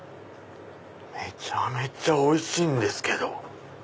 めちゃめちゃおいしいんですけど！